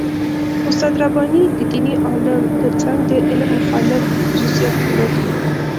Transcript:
استاد رباني د دیني عالم تر څنګ د علم مخالف خصوصیت درلود.